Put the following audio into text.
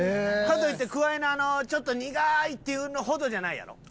かといってくわいのあのちょっと苦いっていうほどじゃないやろ？